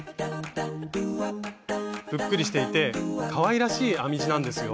ぷっくりしていてかわいらしい編み地なんですよ。